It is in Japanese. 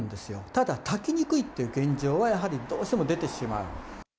ただ、炊きにくいっていう現状は、やはりどうしても出てしまう。